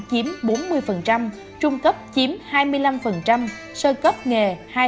chiếm bốn mươi trung cấp chiếm hai mươi năm sơ cấp nghề hai